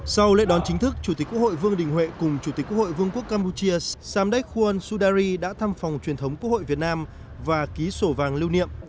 sau lễ đón chính thức chủ tịch quốc hội vương đình huệ cùng chủ tịch quốc hội vương quốc campuchia samdek hun sudari đã thăm phòng truyền thống quốc hội việt nam và ký sổ vàng lưu niệm